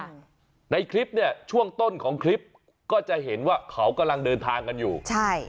ในคลิปเนี่ยช่วงต้นของคลิปก็จะเห็นว่าเขากำลังเดินทางกันอยู่ใช่